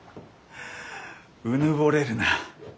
うぬぼれるな。